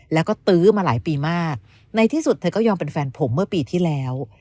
แล้วก็ตื้อมาหลายปีมากในที่สุดเธอก็ยอมเป็นแฟนผมเมื่อปีที่แล้ว